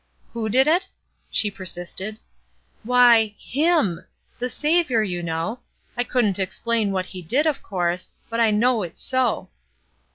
''Who did it?" she persisted. "Why, HIM; the Saviour, you know. I couldn't explain what He did, of course, but I know it's so."